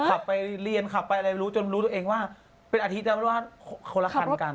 ขับไปเรียนจนรู้ตัวเองว่าเป็นอาทิตย์แล้วว่าคนละครกันกัน